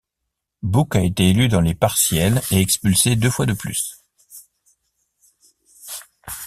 Bouc a été élu dans les partielles et expulsé deux fois de plus.